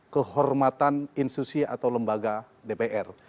kehormatan institusi atau lembaga dpr